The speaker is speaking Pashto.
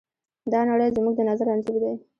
دا نړۍ زموږ د نظر انځور دی.